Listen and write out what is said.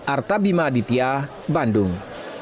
arta bima aditya bandung